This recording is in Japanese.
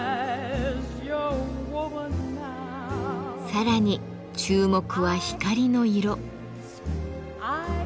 さらに注目は光の色。